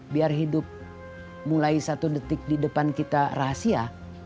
biar hidup mulai satu detik di depan kita rahasia